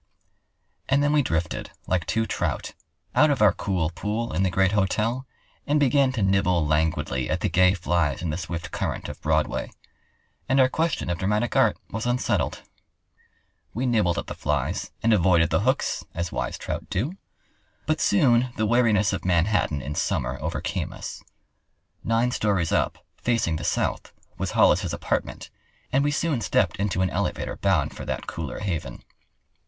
And then we drifted, like two trout, out of our cool pool in the great hotel and began to nibble languidly at the gay flies in the swift current of Broadway. And our question of dramatic art was unsettled. We nibbled at the flies, and avoided the hooks, as wise trout do; but soon the weariness of Manhattan in summer overcame us. Nine stories up, facing the south, was Hollis's apartment, and we soon stepped into an elevator bound for that cooler haven.